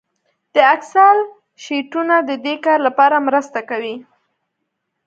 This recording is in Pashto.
د اکسل شیټونه د دې کار لپاره مرسته کوي